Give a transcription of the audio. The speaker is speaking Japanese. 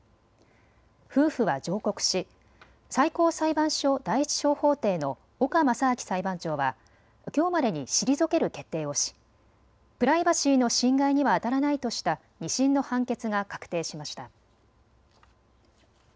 夫婦は上告し最高裁判所第１小法廷の岡正晶裁判長はきょうまでに退ける決定をしプライバシーの侵害にはあたらないとした２審の判決が確定しました。